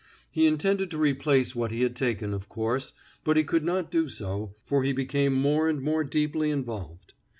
He intended to replace what he had taken, of course, but he could not do so, for he became more and more deeply involved.